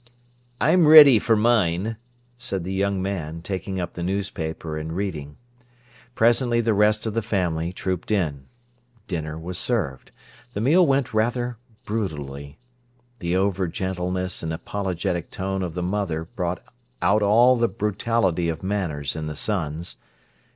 "I'm ready for mine," said the young man, taking up the newspaper and reading. Presently the rest of the family trooped in. Dinner was served. The meal went rather brutally. The over gentleness and apologetic tone of the mother brought out all the brutality of manners in the sons.